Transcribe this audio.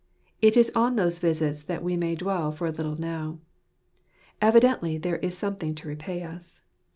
It is on those visits that we may dwell for a little now. Evidently there is something to repay us.